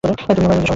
তুমি আমার সহকারী।